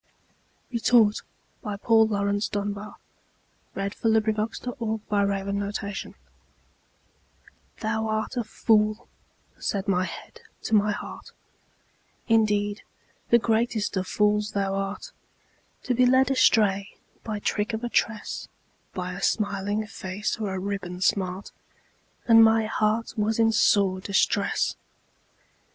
all is well. Paul Laurence Dunbar Retort THOU art a fool," said my head to my heart, "Indeed, the greatest of fools thou art, To be led astray by trick of a tress, By a smiling face or a ribbon smart;" And my heart was in sore distress.